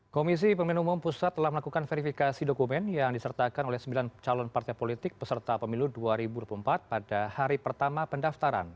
komisi pemilihan umum pusat telah melakukan verifikasi dokumen yang disertakan oleh sembilan calon partai politik peserta pemilu dua ribu dua puluh empat pada hari pertama pendaftaran